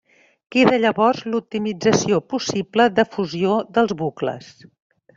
Queda llavors l'optimització possible de fusió dels bucles.